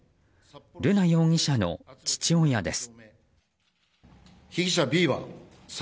瑠奈容疑者の父親です。